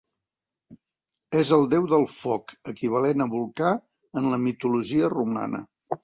És el déu del foc, equivalent a Vulcà en la mitologia romana.